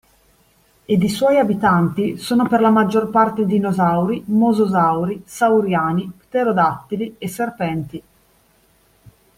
Ed i suoi abitanti sono per la maggior parte dinosauri, mososauri, sauriani, pterodattili e serpenti.